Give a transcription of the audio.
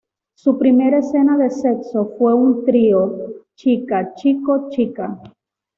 Su primera escena de sexo fue un trío chica-chico-chica.